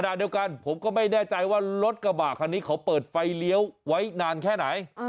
ขณะเดียวกันผมก็ไม่แน่ใจว่ารถกระบะคันนี้เขาเปิดไฟเลี้ยวไว้นานแค่ไหน